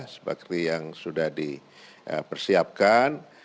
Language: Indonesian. sebagai yang sudah dipersiapkan